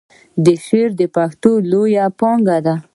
شعر د پښتو لویه پانګه ده.